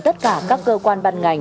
tất cả các cơ quan ban ngành